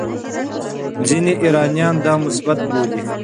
ځینې ایرانیان دا مثبت بولي.